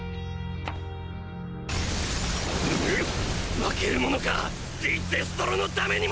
負けるものかリ・デストロのためにも！